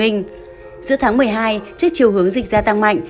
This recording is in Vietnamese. giữa tháng một mươi hai trước chiều hướng dịch gia tăng mạnh